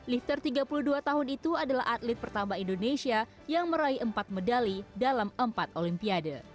lifter tiga puluh dua tahun itu adalah atlet pertama indonesia yang meraih empat medali dalam empat olimpiade